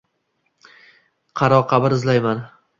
Qaro qabr izlayman.